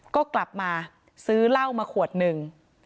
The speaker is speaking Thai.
ก็กลับมาซื้อเหล้ามาขวดหนึ่ง